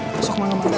masuk malam dulu